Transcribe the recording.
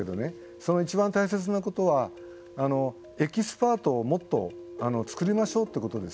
その一番大切なことはエキスパートをもっと作りましょうということです。